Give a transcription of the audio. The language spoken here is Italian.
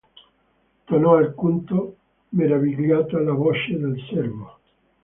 Tonò alquanto meravigliata la voce del servo.